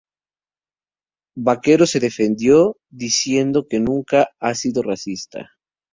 Vaquero se defendió diciendo que nunca ha sido racista.